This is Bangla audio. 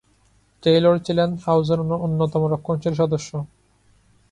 টেইলর ছিলেন হাউজের অন্যতম রক্ষণশীল সদস্য।